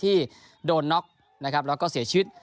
ที่โดนน็อคแล้วเสียชีวิต